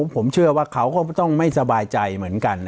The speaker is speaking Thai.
ผมเชื่อว่าเขาก็ต้องไม่สบายใจเหมือนกัน